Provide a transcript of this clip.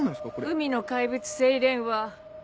海の怪物・セイレーンは。